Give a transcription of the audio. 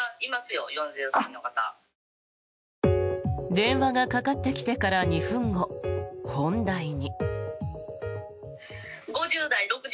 電話がかかってきてから２分後本題に。